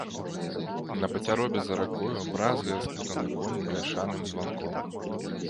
На пацяробе за ракою бразгае спутаны конь бляшаным званком.